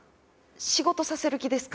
仕事させる気ですか？